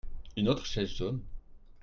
Une autre chaise jaune.